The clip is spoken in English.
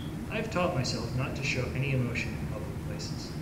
I have taught myself not to show any emotion in public places.